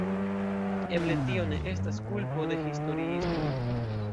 Eble tio ne estas kulpo de historiistoj.